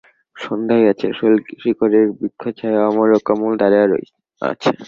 সন্ধ্যা হইয়াছে, শৈলশিখরের বৃক্ষচ্ছায়ায় অমর ও কমল দাঁড়াইয়া আছে।